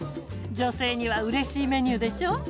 女性にはうれしいメニューでしょ。